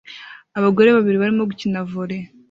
Abagore babiri barimo gukina volley